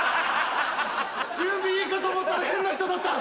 準備いいかと思ったら変な人だった！